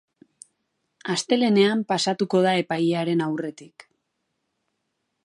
Astelehenean pasatuko da epailearen aurretik.